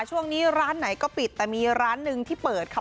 ช่วงนี้ร้านไหนก็ปิดแต่มีร้านหนึ่งที่เปิดค่ะ